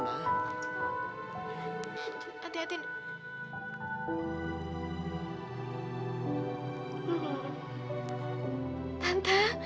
mama demandanku ga tante